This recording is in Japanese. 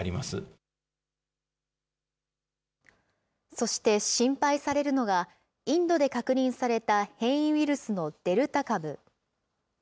そして心配されるのが、インドで確認された変異ウイルスのデルタ株。